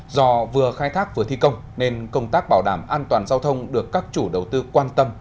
do vừa khai thác vừa thi công nên công tác bảo đảm an toàn giao thông được các chủ đầu tư quan tâm